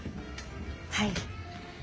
はい。